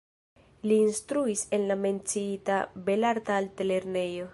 Li instruis en la menciita Belarta Altlernejo.